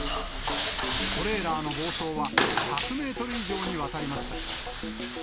トレーラーの暴走は１００メートル以上にわたりました。